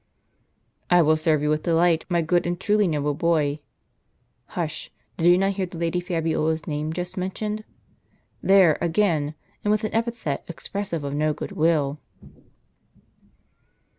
" I will serve you with delight, my good and truly noble boy ! Hush ! did you not hear the Lady Fabiola's name just mentioned ? There again, and with an epithet expressive of no good will."